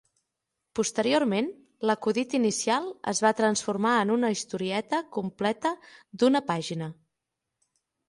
Posteriorment, l'acudit inicial es va transformar en una historieta completa d'una pàgina.